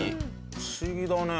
不思議だね。